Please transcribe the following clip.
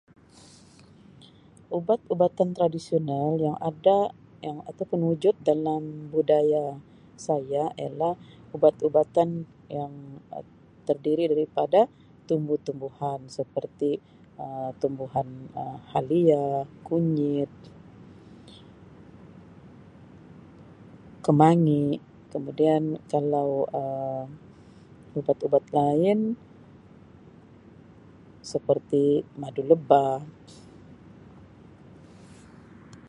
Ubat-ubatan tradisional yang ada atau pun wujud dalam budaya saya ialah ubat-ubatan yang terdiri daripada tumbuh-tumbuhan seperti Um tumbuhan Um halia, kunyit, kemangi kemudian kalau Um ubat-ubat lain seperti madu lebah.